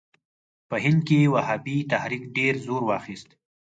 په هند کې وهابي تحریک ډېر زور واخیست.